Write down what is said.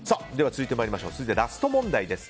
続いてラスト問題です。